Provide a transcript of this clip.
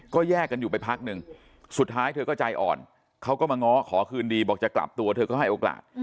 ก็แยกกันอยู่ไปพักหนึ่งสุดท้ายเธอก็ใจอ่อนเขาก็มาง้อขอคืนดีบอกจะกลับตัวเธอก็ให้โอกาส